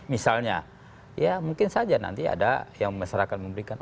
misalnya ya mungkin saja nanti ada yang masyarakat memberikan